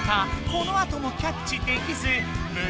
このあともキャッチできずむ